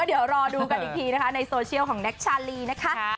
เดี๋ยวรอดูกันอีกทีนะคะในโซเชียลของแน็กชาลีนะคะ